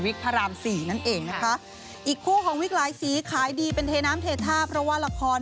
พระรามสี่นั่นเองนะคะอีกคู่ของวิกหลายสีขายดีเป็นเทน้ำเทท่าเพราะว่าละคร